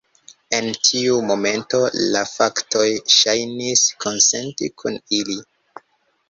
En tiu momento, la faktoj ŝajnis konsenti kun ili.